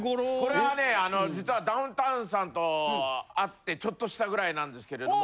これはね実はダウンタウンさんと会ってちょっとしたぐらいなんですけれども。